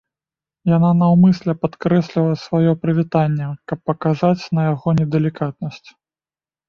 Яна наўмысля падкрэсліла сваё прывітанне, каб паказаць на яго недалікатнасць.